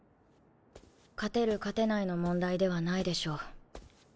勝てる勝てないの問題ではないでしょう。